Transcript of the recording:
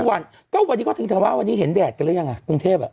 วันนี้ก็ถึงเถอะว่าวันนี้เห็นแดดกันหรือยังกรุงเทพฯ